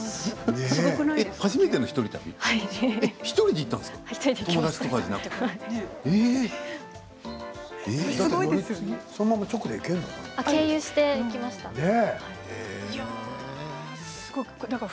１人で行ったんですか？